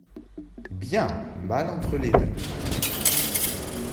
Bien/ mal/ entre les deux.